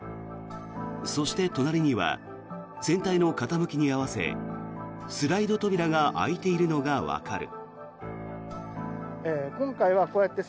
そして隣には船体の傾きに合わせスライド扉が開いているのがわかる。